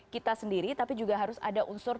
kita sendiri tapi juga harus ada unsur